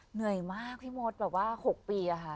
เหนื่อยมากพี่มดแบบว่า๖ปีอะค่ะ